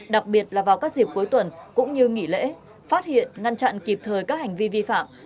đặc biệt là vào các dịp cuối tuần cũng như nghỉ lễ phát hiện ngăn chặn kịp thời các hành vi vi phạm